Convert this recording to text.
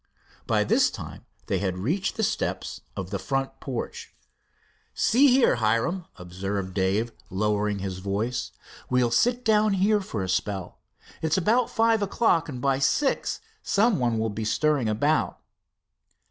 By this time they had reached the steps of the front porch. "See here, Hiram," observed Dave, lowering his voice, "we'll sit down here for a spell. It's about five o'clock, and by six someone will be stirring about."